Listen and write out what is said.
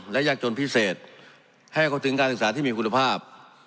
และยากจนพิเศษให้เขาถึงการศึกษาที่มีคุณภาพ